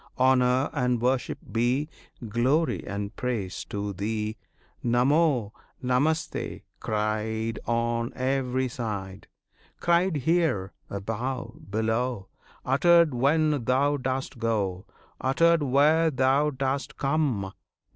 Honour and worship be Glory and praise, to Thee Namo, Namaste, cried on every side; Cried here, above, below, Uttered when Thou dost go, Uttered where Thou dost come!